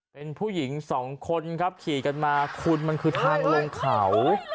เป็นผู้หญิงสองคนครับขี่กันมาคุณมันคือทางลงเขา